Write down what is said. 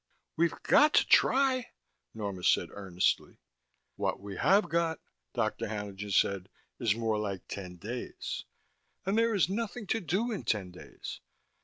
"We've got to try," Norma said earnestly. "What we have got," Dr. Haenlingen said, "is more like ten days. And there is nothing to do in ten days.